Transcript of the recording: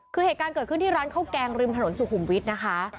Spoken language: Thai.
คือเหตุการณ์เกิดขึ้นที่ร้านข้าวแกงริมถนนสุขุมวิทย์นะคะ